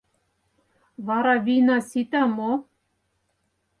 Вара вийна сита мо?